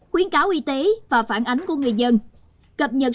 khuyến cáo y tế và phản ánh của người dân